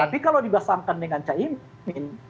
tapi kalau dibasamkan dengan caimin